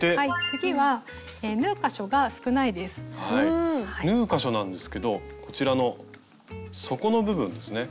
次は縫う箇所なんですけどこちらの底の部分ですね。